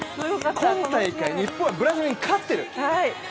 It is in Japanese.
今大会、日本はブラジルに勝っている。